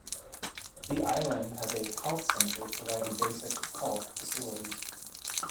The island has a health center providing basic health facilities.